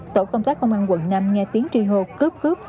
tổ công tác công an quận năm nghe tiếng truy hô cướp cướp